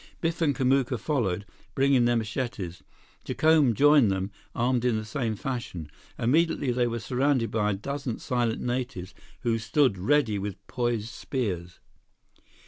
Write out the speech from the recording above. Biff and Kamuka followed, bringing their machetes. Jacome joined them, armed in the same fashion. Immediately, they were surrounded by a dozen silent natives, who stood ready with poised spears.